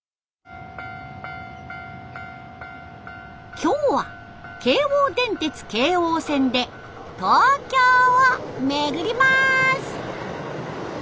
今日は京王電鉄京王線で東京を巡ります。